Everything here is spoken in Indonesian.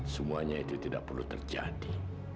semuanya itu tidak perlu terjadi